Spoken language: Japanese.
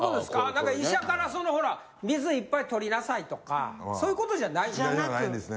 何か医者からそのほら水いっぱいとりなさいとかそういうことじゃないんですか？